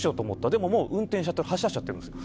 でも運転しちゃってる発車しちゃってるんですよ。